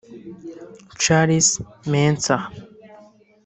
Charles Mensah